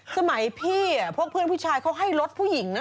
สมัยพี่พวกเพื่อนผู้ชายเขาให้รถผู้หญิงนะ